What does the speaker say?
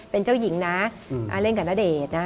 เป็นเจ้าหญิงนะเล่นกับณเดชน์นะ